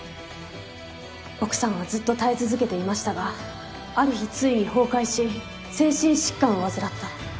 奥さんはずっと耐え続けていましたがある日ついに崩壊し精神疾患を患った。